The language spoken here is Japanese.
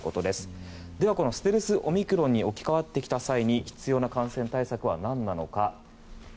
では、ステルスオミクロンに置き換わってきた際に必要な感染対策は何なのか。